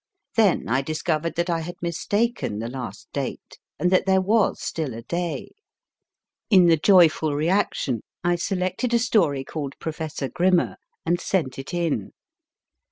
Then I discovered that I had mistaken the last date, and that there was still a day. In the joyful reaction I selected a story called Professor Grimmer/ and sent it in.